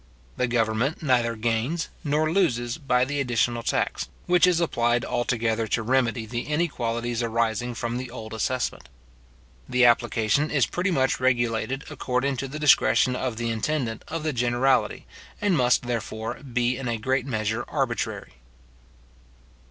The government neither gains nor loses by the additional tax, which is applied altogether to remedy the inequalities arising from the old assessment. The application is pretty much regulated according to the discretion of the intendant of the generality, and must, therefore, be in a great measure arbitrary.